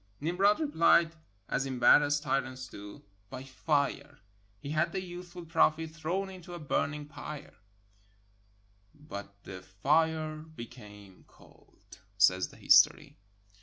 Nimrod replied, as embar rassed tyrants do, by fire. He had the youthful prophet thrown into a burning pyre; ^'but the fire became cold,"" says the history.